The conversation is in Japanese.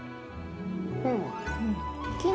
うん。